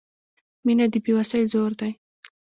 • مینه د بې وسۍ زور دی.